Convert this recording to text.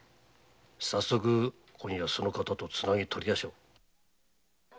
早速今夜その方とつなぎを取りましょう。